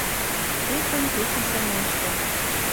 Кечын, кечын сылнештын.